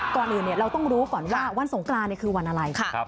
ก่อนอื่นเราต้องรู้ก่อนว่าวันสงกรานคือวันอะไร